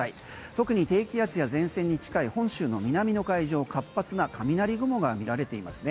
特に低気圧や前線に近い本州の南の海上活発な雷雲が見られていますね。